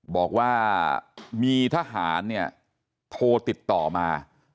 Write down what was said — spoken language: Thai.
บอกว่ามีทหารเนี่ยโทรติดต่อมา